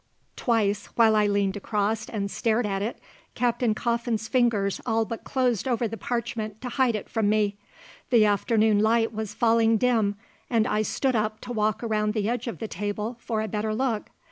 Twice, while I leaned across and stared at it, Captain Coffin's fingers all but closed over the parchment to hide it from me. The afternoon light was falling dim, and I stood up to walk around the edge of the table for a better look.